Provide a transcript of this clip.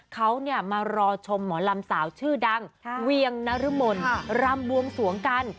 เขามารอชมหมอลำสาวชื่อดังเวียงนรมนรำบวงสวงกัน